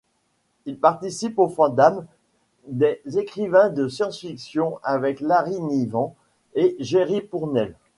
Il appartient au fandom des écrivains de science-fiction avec Larry Niven et Jerry Pournelle.